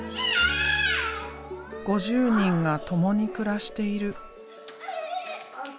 ５０人が共に暮らしている。